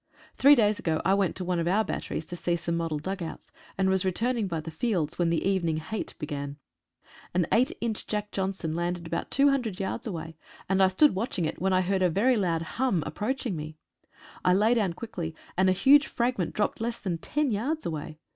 Three days ago I went to one of our batteries to see some model dugouts, and was returning by the fields when the evening Hate began. An 8 inch "Jack John son" landed about 200 yards away, and I stood watching it, when I heard a very loud hum approaching me. I lay down quickly, and a huge fragment dropped less than ten yards away.